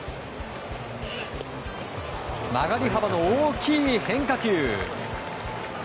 曲がり幅の大きい変化球。